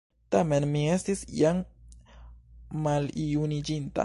Tamen mi estis jam maljuniĝinta.